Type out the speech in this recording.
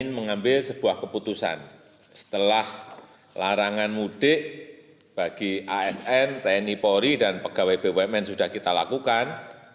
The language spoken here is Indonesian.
kami mengambil sebuah keputusan setelah larangan mudik bagi asn tni polri dan pegawai bumn sudah kita lakukan